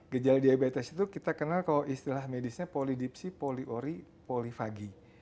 gejala diabetes itu kita kenal kalau istilah medisnya polidipsi poliori polifagi